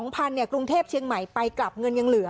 ๒๐๐๐บาทเนี่ยกรุงเทพฯเชียงใหม่ไปกลับเงินยังเหลือ